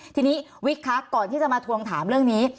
ทีนี้วิกคะก่อนที่จะมาทวงถามเรื่องนี้